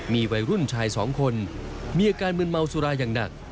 มีวัยรุ่นชายสองคนมีอาการมืนเมาสุราอย่างหนัก